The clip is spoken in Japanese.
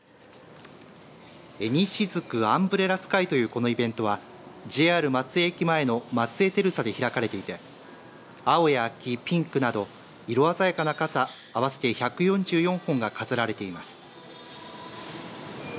縁雫アンブレラスカイというこのイベントはＪＲ松江駅前の松江テルサで開かれていて青や黄、ピンクなど色鮮やかな傘合わせて１４４本が飾られています。